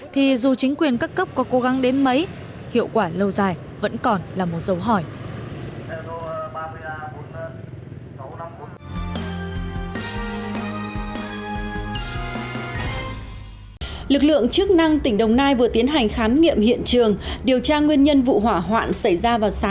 thì dù chính quyền các cấp có cố gắng đến mấy hiệu quả lâu dài vẫn còn là một dấu hỏi